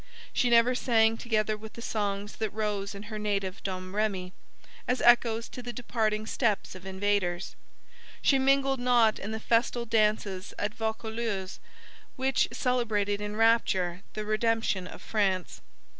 She never sang together with the songs that rose in her native Domrémy, as echoes to the departing steps of invaders. She mingled not in the festal dances at Vaucouleurs which celebrated in rapture the redemption of France.